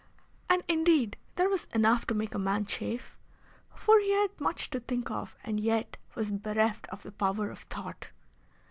And indeed there was enough to make a man chafe, for he had much to think of and yet was bereft of the power of thought.